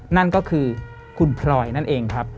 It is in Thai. นั่นก็คือคุณพลอยนั่นเองครับ